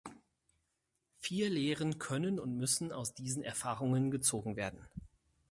Vier Lehren können und müssen aus diesen Erfahrungen gezogen werden.